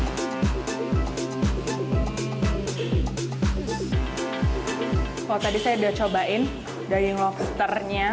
kalau tadi saya udah cobain daging lobsternya